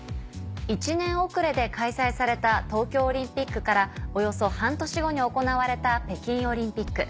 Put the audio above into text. １年遅れで開催された東京オリンピックからおよそ半年後に行われた北京オリンピック。